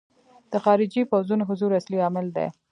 د خارجي پوځونو حضور اصلي عامل دی.